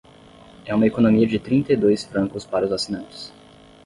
É uma economia de trinta e dois francos para os assinantes.